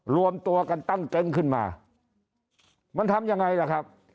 รวมตัวกันตั้งเต็งขึ้นมามันทำยังไงล่ะครับ